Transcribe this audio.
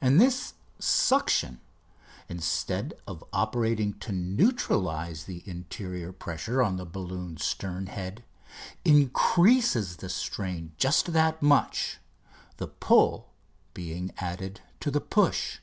And this suction, instead of operating to neutralise the interior pressure on the balloon's stern head, increases the strain just that much, the pull being added to the push.